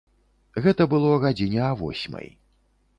Гэта было гадзіне а восьмай.